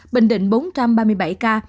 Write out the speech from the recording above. bình định bốn trăm ba mươi bảy ca